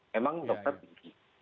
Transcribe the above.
memang dokter tinggi